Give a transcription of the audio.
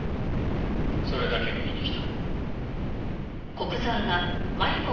それだけを言いに来た。